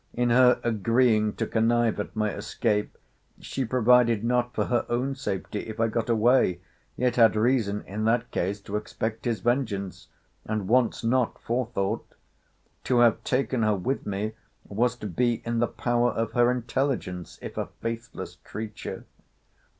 'In her agreeing to connive at my escape, she provided not for her own safety, if I got away: yet had reason, in that case, to expect his vengeance. And wants not forethought.—To have taken her with me, was to be in the power of her intelligence, if a faithless creature.